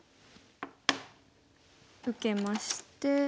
受けまして。